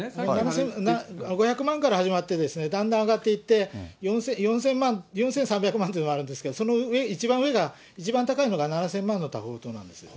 ５００万から始まって、だんだん上がっていって、４０００万、４３００万っていうのがあるんですけど、その上、一番上が、一番高いのが７０００万の多宝塔なんですよ。